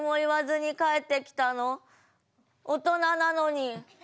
大人なのに。